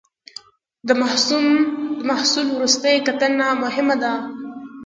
د محصول وروستۍ کتنه مهمه ده.